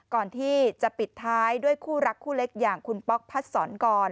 ก่อนที่จะปิดท้ายด้วยคู่รักคู่เล็กอย่างคุณป๊อกพัดสอนกร